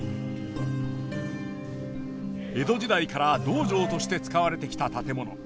江戸時代から道場として使われてきた建物。